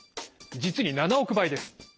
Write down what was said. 実に７億倍です。